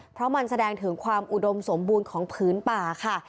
เพราะมันแสดงถึงความอุดมสมบูรณ์ของพื้นป่าค่ะ